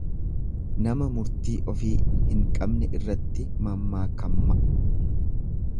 Nama murtii ofii hin qabne irratti mammaakamma.